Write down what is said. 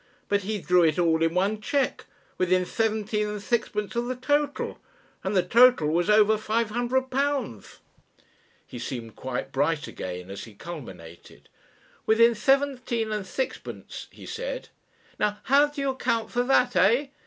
But he drew it all in one cheque, within seventeen and sixpence of the total. And the total was over five hundred pounds!" He seemed quite bright again as he culminated. "Within seventeen and sixpence," he said. "Now how do you account for that, eh?